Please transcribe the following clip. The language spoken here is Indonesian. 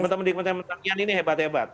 teman teman di kementerian pertanian ini hebat hebat